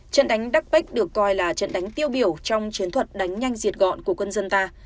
trận đánh đa pech được coi là trận đánh tiêu biểu trong chiến thuật đánh nhanh diệt gọn của quân dân ta